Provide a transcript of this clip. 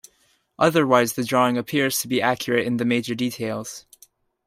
Otherwise the drawing appears to be accurate in the major details.